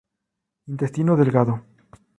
Intestino delgado.